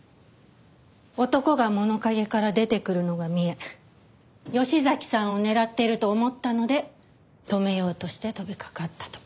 男が物陰から出てくるのが見え吉崎さんを狙っていると思ったので止めようとして飛びかかったと。